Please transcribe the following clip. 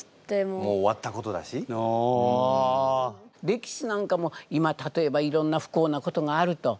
歴史なんかも今例えばいろんな不幸なことがあると。